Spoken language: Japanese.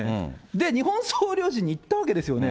で、日本総領事に行ったわけですよね。